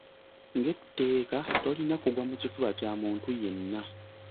Ng’etteeka, tolina kugwa mu kifuba kya muntu yenna.